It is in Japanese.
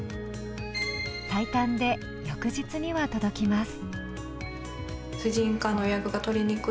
最短で翌日には届きます。